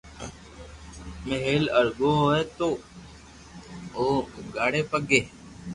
مھل ارگو ھوئي تو او اوگاڙي پگي